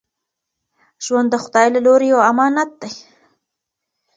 ژوند د خدای له لوري یو امانت دی.